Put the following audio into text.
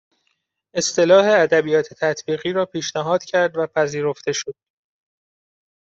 اصطلاح ادبیات تطبیقی را پیشنهاد کرد و پذیرفته شد